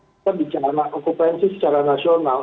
kita bicara okupansi secara nasional